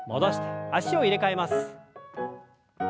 脚を入れ替えます。